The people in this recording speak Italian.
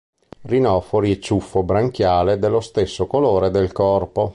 Rinofori e ciuffo branchiale dello stesso colore del corpo.